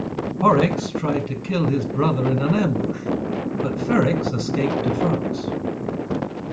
Porrex tried to kill his brother in an ambush, but Ferrex escaped to France.